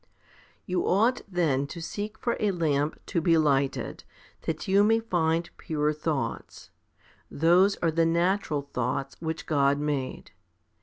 26. You ought then to seek for a lamp to be lighted, that you may find pure thoughts. Those are the natural thoughts, which God made.